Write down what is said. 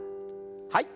はい。